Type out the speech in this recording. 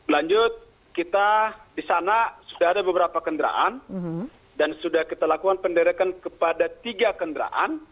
lanjut kita di sana sudah ada beberapa kendaraan dan sudah kita lakukan penderakan kepada tiga kendaraan